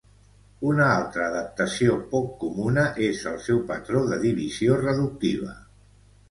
Una altra adaptació poc comuna és el seu patró de divisió reductiva.